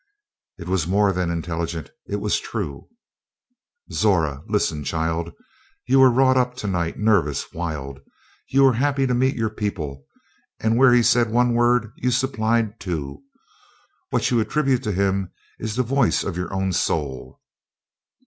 "It was more than intelligent it was true." "Zora listen, child! You were wrought up tonight, nervous wild. You were happy to meet your people, and where he said one word you supplied two. What you attribute to him is the voice of your own soul."